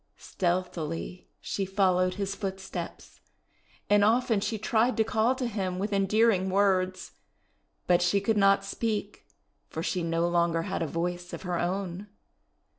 Stealthily she followed his footsteps, and often she tried to call to him with endearing words; but she could not speak, for she no longer had a voice of her own.